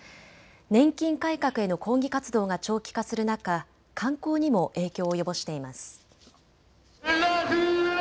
年金改革への抗議活動が長期化する中、観光にも影響を及ぼしています。